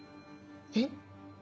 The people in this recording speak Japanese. えっ？